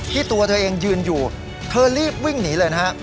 ตัวเธอเองยืนอยู่เธอรีบวิ่งหนีเลยนะฮะ